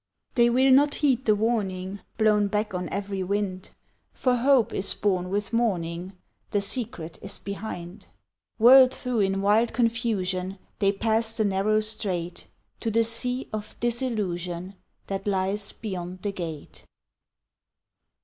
They will not heed the warning Blown back on every wind, For hope is born with morning, The secret is behind. Whirled through in wild confusion They pass the narrow strait, To the sea of disillusion That lies beyond the gate.